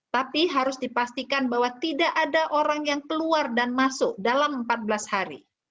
tapi harus dipastikan bahwa tidak ada orang yang keluar dan masuk dalam empat belas hari